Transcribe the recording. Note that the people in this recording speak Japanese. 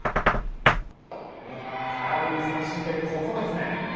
空振り三振で９つ目。